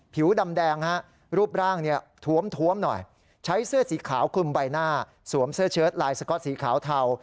ผิวดำแดงฮะรูปร่างเนี่ยท้วมหน่อยใช้เสื้อสีขาวคลุมใบหน้าสวมเสื้อเชิดลายสก๊อตสีขาวเทา